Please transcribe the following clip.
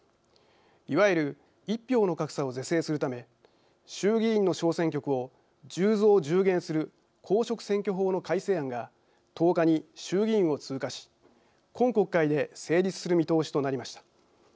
いわゆる１票の格差を是正するため衆議院の小選挙区を１０増１０減する公職選挙法の改正案が１０日に衆議院を通過し今国会で成立する見通しとなりました。